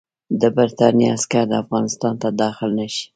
د برټانیې عسکر افغانستان ته داخل نه شي.